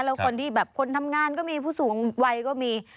แล้วคนที่แบบคนทำงานก็มีผู้สูงวัยก็มี